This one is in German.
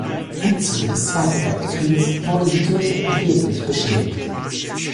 Im Zuge des Zweiten Weltkrieges wurde die Kirche erheblich beschädigt.